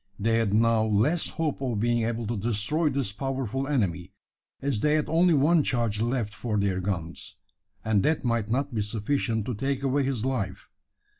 They had now less hope of being able to destroy this powerful enemy: as they had only one charge left for their guns, and that might not be sufficient to take away his life.